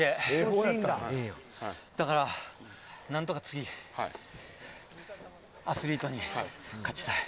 だから何とか次アスリートに勝ちたい。